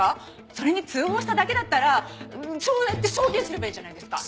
それに通報しただけだったらそうやって証言すればいいじゃないですか。